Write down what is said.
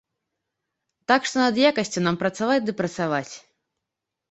Так што над якасцю нам працаваць ды працаваць.